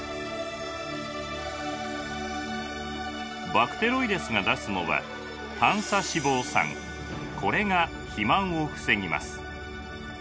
バクテロイデスが出すのはこれが肥満を防ぎます。